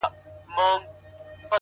لكه سپوږمۍ چي ترنده ونيسي;